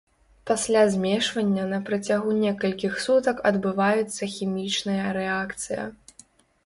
Пасля змешвання на працягу некалькіх сутак адбываецца хімічная рэакцыя.